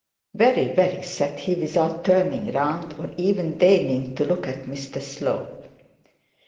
'Very, very,' said he without turning round, or even deigning to look at Mr Slope.